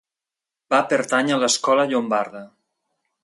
Va pertànyer a l'escola llombarda.